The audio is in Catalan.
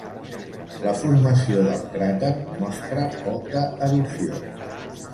La formació del cràter mostra poca erosió.